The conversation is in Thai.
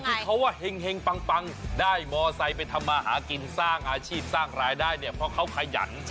ที่เขาว่าเห็งปังได้มอไซค์ไปทำมาหากินสร้างอาชีพสร้างรายได้เนี่ยเพราะเขาขยัน